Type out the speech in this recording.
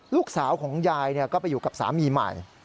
ลูกชายของยายก็ไปอยู่กับสามีใหม่